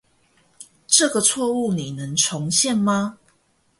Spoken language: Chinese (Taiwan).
這個錯誤你能重現嗎